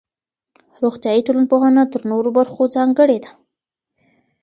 روغتيائي ټولنپوهنه تر نورو برخو ځانګړې ده.